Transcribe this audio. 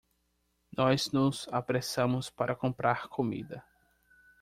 Nós nos apressamos para comprar comida.